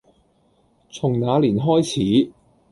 從那年開始